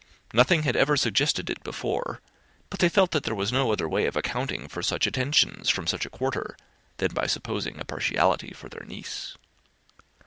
Nothing had ever suggested it before, but they now felt that there was no other way of accounting for such attentions from such a quarter than by supposing a partiality for their niece.